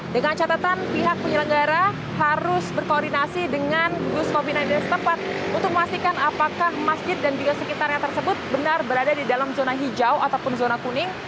dengan catatan pihak penyelenggara harus berkoordinasi dengan gugus koordinat dan setepat untuk memastikan apakah masjid dan biosekitar yang tersebut benar berada di dalam zona hijau ataupun zona kuning